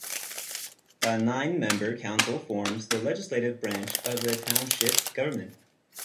A nine-member council forms the legislative branch of the township government.